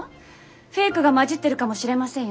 フェイクが混じってるかもしれませんよね？